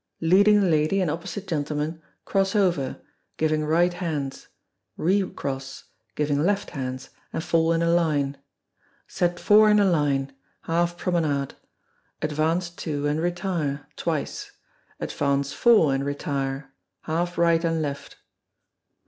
Leading lady and opposite gentleman cross over, giving right hands; recross, giving left hands, and fall in a line. Set four in a line; half promenade. Advance two, and retire (twice). Advance four, and retire; half right and left.